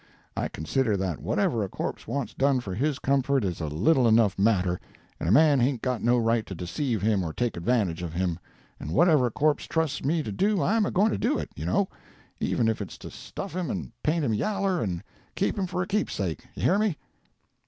I consider that whatever a corpse wants done for his comfort is a little enough matter, and a man hain't got no right to deceive him or take advantage of him—and whatever a corpse trusts me to do I'm a going to do, you know, even if it's to stuff him and paint him yaller and keep him for a keepsake—you hear me!"